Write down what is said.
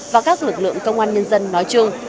và các lực lượng công an nhân dân nói chung